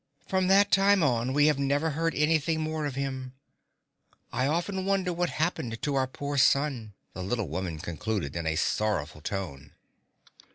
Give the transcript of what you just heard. From that time on we have never heard anything more of him. I often wonder what happened to our poor son," the little woman concluded in a sorrowful tone.